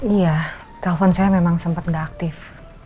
iya telepon saya memang sempat tidak aktif